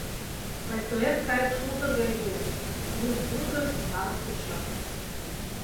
Пальтоэт кайык шулдыр гай лийын, лум пургыж — мамык тӧшак.